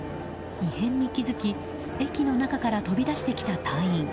異変に気づき駅の中から飛び出してきた隊員。